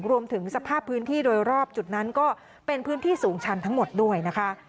สภาพพื้นที่โดยรอบจุดนั้นก็เป็นพื้นที่สูงชันทั้งหมดด้วยนะคะ